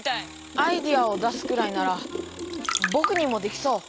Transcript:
アイデアを出すくらいならぼくにもできそう。